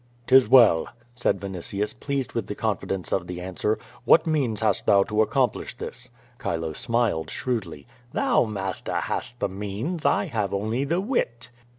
" 'Tis well," said Vinitius, pleased with the confidence of the answer, "what means hast thou to accomplish this?" Chilo smiled shrewdly: "Thou, master, hast the means. I have only the wit."